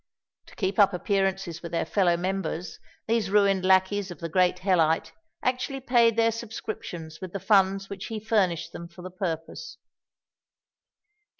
To keep up appearances with their fellow members, these ruined lacqueys of the great hellite actually paid their subscriptions with the funds which he furnished them for the purpose.